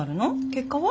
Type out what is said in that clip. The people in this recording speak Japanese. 結果は？